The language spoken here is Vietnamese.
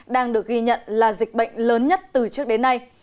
đang được ghi nhận là dịch bệnh lớn nhất từ trước đến nay